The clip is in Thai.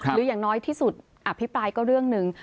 หรืออย่างน้อยที่สุดอภิปรายก็เรื่องหนึ่ง